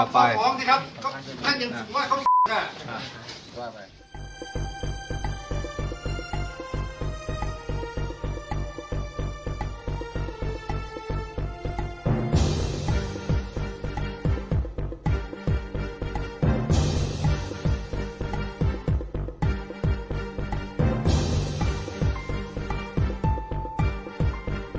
ฟ้องดิครับ